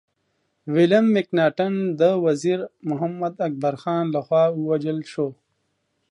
ويليم مکناټن د وزير محمد اکبر خان لخوا ووژل شو.